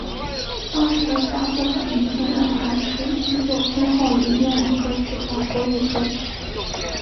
当时的大部份年轻人还是依旧偏好于英文歌曲和国语歌曲。